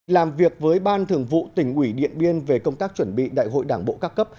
làm việc với ban thường vụ tỉnh ủy điện biên về công tác chuẩn bị đại hội đảng bộ các cấp